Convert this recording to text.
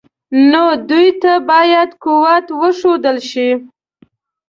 نو دوی ته باید قوت وښودل شي.